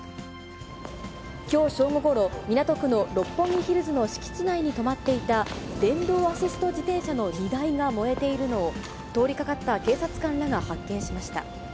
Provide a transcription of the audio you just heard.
きょう正午ごろ、港区の六本木ヒルズの敷地内に止まっていた電動アシスト自転車の荷台が燃えているのを、通りかかった警察官らが発見しました。